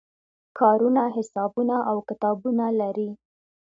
کارونه حسابونه او کتابونه لري.